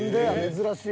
珍しい。